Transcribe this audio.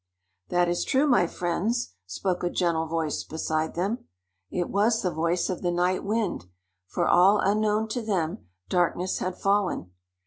"That is true, my friends," spoke a gentle voice beside them. It was the voice of the Night Wind, for all unknown to them, darkness had fallen.